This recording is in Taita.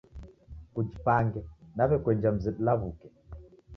Kujipange nawekuenja mzedu lawuke